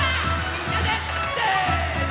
みんなでせの。